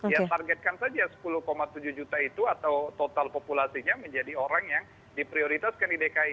ya targetkan saja sepuluh tujuh juta itu atau total populasinya menjadi orang yang diprioritaskan di dki